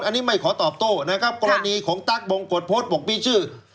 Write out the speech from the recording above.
อันนี้ไม่ขอตอบโต้นะครับกรณีของตั๊กบงกฎโพสต์บอกมีชื่อ